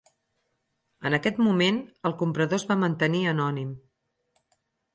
En aquest moment el comprador es va mantenir anònim.